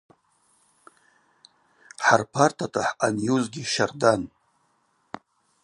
Хӏарпартата хӏъанйузгьи щардан.